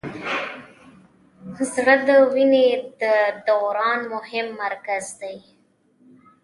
زړه د وینې د دوران مهم مرکز دی.